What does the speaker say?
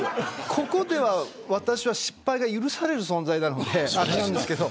ここでは私は失敗が許される存在なのであれなんですけど。